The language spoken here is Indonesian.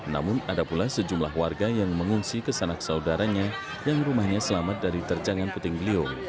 namun ada pula sejumlah warga yang mengungsi ke sanak saudaranya yang rumahnya selamat dari terjangan puting beliung